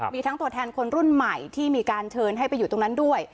มีทั้งตัวแทนคนรุ่นใหม่ที่มีการเชิญให้ไปอยู่ตรงนั้นด้วย